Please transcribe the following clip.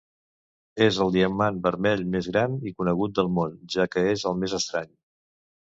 És el diamant vermell més gran i conegut del món, ja que és el més estrany.